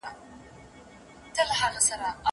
څېړونکی باید تل په خپلو کارونو کي خپلواک وي.